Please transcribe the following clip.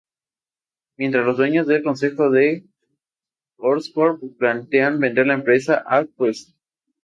Mientras, los dueños del consejo de Oscorp planean vender la empresa a Quest.